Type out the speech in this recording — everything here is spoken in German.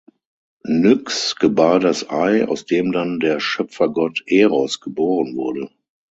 Nyx gebar das Ei, aus dem dann der Schöpfergott Eros geboren wurde.